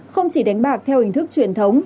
không chỉ đánh bạc theo hình thức truyền thống